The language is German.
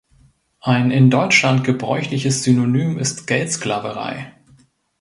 Ein in Deutschland gebräuchliches Synonym ist "Geldsklaverei".